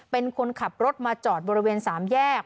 เป็นคนขับรถมาจอดบริเวณ๓แยก